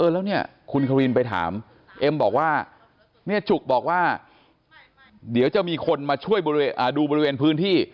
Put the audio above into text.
แล้วเนี่ยคุณควินไปถามเอ็มบอกว่าเนี่ยจุกบอกว่าเดี๋ยวจะมีคนมาช่วยดูบริเวณพื้นที่